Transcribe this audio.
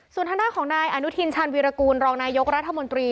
ส่วนทางด้านของนายอนุทินชาญวีรกูลรองนายกรัฐมนตรี